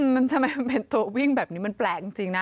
มันทำไมมันเป็นตัววิ่งแบบนี้มันแปลกจริงนะ